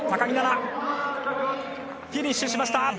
フィニッシュしました！